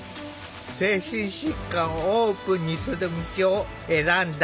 精神疾患をオープンにする道を選んだ。